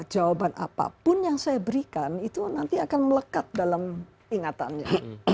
jawaban apapun yang saya berikan itu nanti akan melekat dalam ingatannya